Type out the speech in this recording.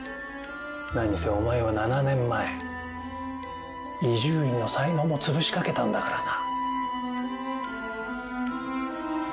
何せお前は７年前伊集院の才能もつぶしかけたんだからな。